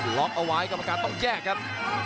ล็อกเอาไว้กรรมการต้องแยกครับ